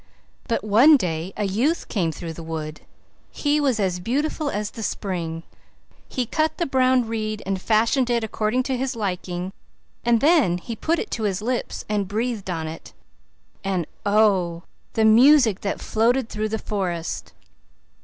But one day a youth came through the wood; he was as beautiful as the spring; he cut the brown reed and fashioned it according to his liking; and then he put it to his lips and breathed on it; and, oh, the music that floated through the forest!